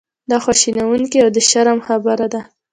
دا خواشینونکې او د شرم خبره ده.